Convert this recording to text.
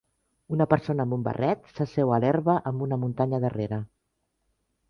Una persona amb un barret s'asseu a l'herba amb una muntanya darrere.